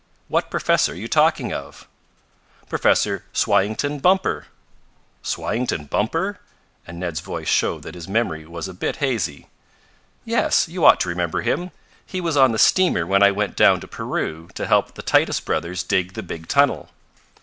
What professor are you talking of?" "Professor Swyington Bumper." "Swyington Bumper?" and Ned's voice showed that his memory was a bit hazy. "Yes. You ought to remember him. He was on the steamer when I went down to Peru to help the Titus Brothers dig the big tunnel.